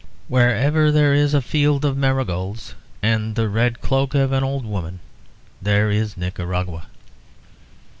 Wherever there is a field of marigolds and the red cloak of an old woman, there is Nicaragua.